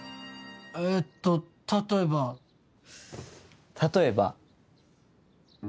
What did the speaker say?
えっと例えば。例えば？